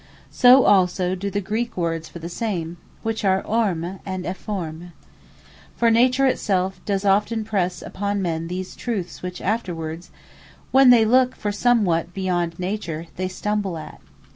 So also do the Greek words for the same, which are orme and aphorme. For nature it selfe does often presse upon men those truths, which afterwards, when they look for somewhat beyond Nature, they stumble at.